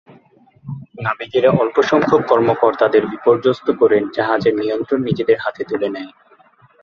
নাবিকেরা অল্পসংখ্যক কর্মকর্তাদের বিপর্যস্ত করে জাহাজের নিয়ন্ত্রণ নিজেদের হাতে তুলে নেয়।